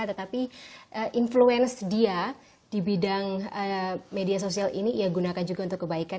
tetapi influence dia di bidang media sosial ini ia gunakan juga untuk kebaikan